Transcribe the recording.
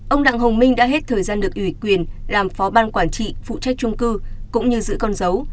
ông đặng hồng minh đã hết thời gian được ủy quyền làm phó ban quản trị phụ trách trung cư cũng như giữ con dấu